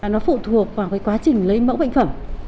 nó phụ thuộc vào quá trình lấy mẫu bệnh phẩm